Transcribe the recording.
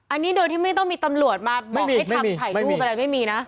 อันนี้โดยที่ไม่ต้องมีตำรวจมาแบ่งให้ทำถ่ายรูปอะไรไม่มีนะ